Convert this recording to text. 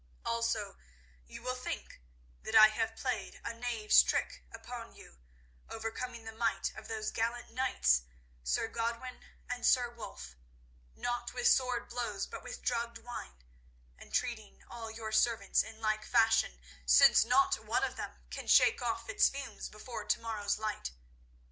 Also you will think that I have played a knave's trick upon you, overcoming the might of those gallant knights, Sir Godwin and Sir Wulf, not with sword blows but with drugged wine, and treating all your servants in like fashion, since not one of them can shake off its fumes before to morrow's light.